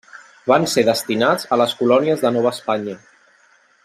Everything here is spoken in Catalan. Van ser destinats a les colònies de Nova Espanya.